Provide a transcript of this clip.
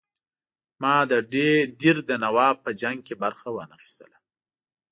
ما د دیر د نواب په جنګ کې برخه وانه خیستله.